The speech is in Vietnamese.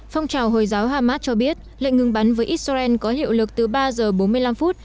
phong trào hồi giáo hamas cho biết lệnh ngừng bắn với israel có hiệu lực từ ba giờ bốn mươi năm phút